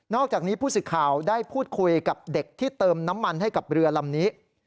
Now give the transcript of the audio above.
อกจากนี้ผู้สิทธิ์ข่าวได้พูดคุยกับเด็กที่เติมน้ำมันให้กับเรือลำนี้